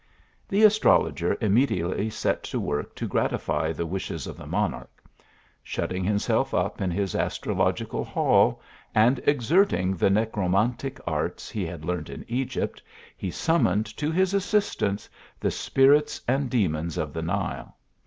The astrologer immediately set to work to gratify the wishes of the monarch, shutting himself up in his astrological hall, and exerting the necromantic arts he had learnt in Egypt, he summoned to his as sistance the siyirits and de nons of the; Nile.